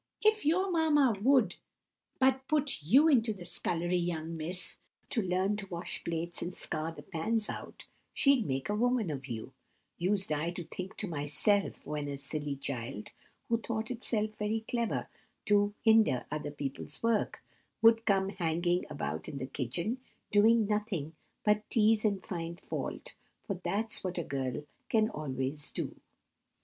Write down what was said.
"'If your mamma would but put you into the scullery, young miss, to learn to wash plates and scour the pans out, she'd make a woman of you,' used I to think to myself when a silly child, who thought itself very clever to hinder other people's work, would come hanging about in the kitchen, doing nothing but teaze and find fault, for that's what a girl can always do.